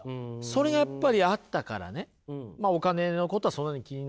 それがやっぱりあったからねお金のことはそんなに気にならなかった。